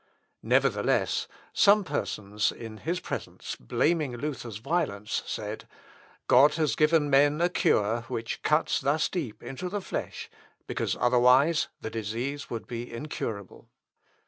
Nevertheless, some persons in his presence blaming Luther's violence, he said, "God has given men a cure which cuts thus deep into the flesh, because otherwise the disease would be incurable."